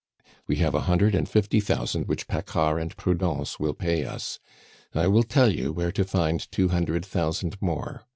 "We have a hundred and fifty thousand which Paccard and Prudence will pay us. I will tell you where to find two hundred thousand more.